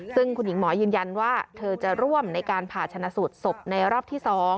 ซึ่งคุณหญิงหมอยืนยันว่าเธอจะร่วมในการผ่าชนะสูตรศพในรอบที่๒